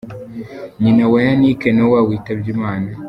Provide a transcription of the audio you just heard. Nyina wa Yannick Noah witabye Imana.